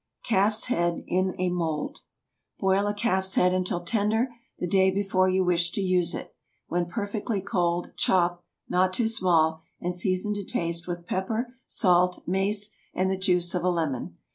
CALF'S HEAD IN A MOULD. Boil a calf's head until tender, the day before you wish to use it. When perfectly cold, chop—not too small—and season to taste with pepper, salt, mace, and the juice of a lemon.